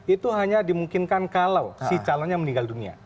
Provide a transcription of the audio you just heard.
itu hanya dimungkinkan kalau si calonnya meninggal dunia